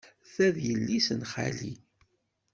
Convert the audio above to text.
Ta d yelli-s n xali.